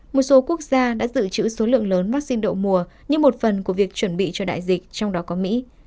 một số quốc gia đã dự trữ số lượng lớn vaccine đậu mùa như một phần của việc chuẩn bị cho đại dịch trong đó có mỹ